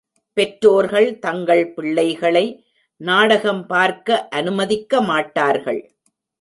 பெற்றோர்கள் தங்கள் பிள்ளைகளை நாடகம் பார்க்க அனுமதிக்கமாட்டார்கள்.